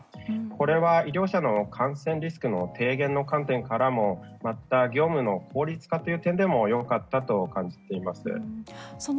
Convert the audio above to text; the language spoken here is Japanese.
これは、医療者の感染リスクの低減の観点からもまた業務の効率化という点でも良かったと感じています。